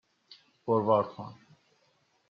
فوروارد کن